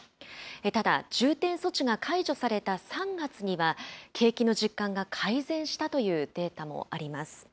ただ、重点措置が解除された３月には、景気の実感が改善したというデータもあります。